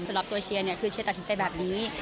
สำหรับตัวเชียร์เนี่ยคือเชียร์ตัดสินใจแบบนี้